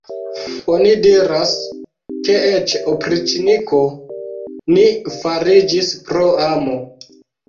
Oni diras, ke eĉ opriĉniko li fariĝis pro amo.